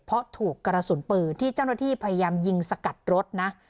เพราะถูกกระสุนปืนที่เจ้าหน้าที่พยายามยิงสกัดรถนะ